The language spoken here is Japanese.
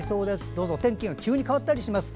どうぞ天気が急に変わったりします。